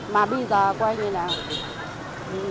mà bây giờ chúng ta đã ra đoạn cuối người ta đã khổ rồi